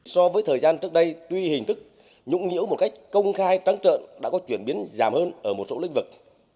so với thời gian trước đây tuy hình thức nhũng nhũ một cách công khai trắng trợn đã có chuyển biến giảm hơn ở một số lĩnh vực